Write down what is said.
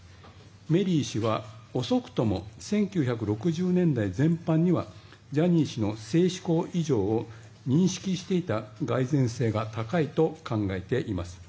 メリー氏は遅くとも１９６０年代前半にはジャニー氏の性嗜好異常を認識していた蓋然性が高いと考えております。